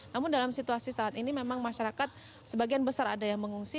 namun dalam situasi saat ini memang masyarakat sebagian besar ada yang mengungsi